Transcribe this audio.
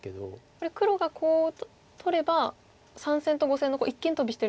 これ黒がコウを取れば３線と５線の一間トビしてる黒２子。